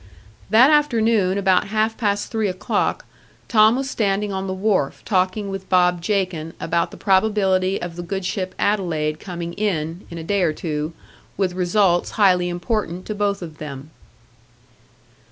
That afternoon, about half past three o'clock, Tom was standing on the wharf, talking with Bob Jakin about the probability of the good ship Adelaide coming in, in a day or two, with results highly important to both of them.